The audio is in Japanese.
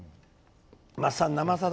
「まっさん「生さだ」